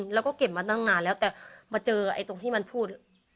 แล้วก็เก็บมาตั้งนานแล้วแต่มาเจอตรงที่มันพูด